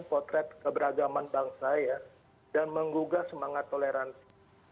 potret keberagaman bangsa ya dan menggugah semangat toleransi